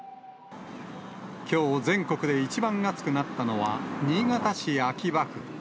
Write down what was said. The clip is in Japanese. きょう、全国で一番暑くなったのは、新潟市秋葉区。